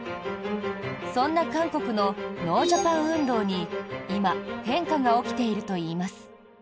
そんな韓国のノージャパン運動に今、変化が起きているといいます。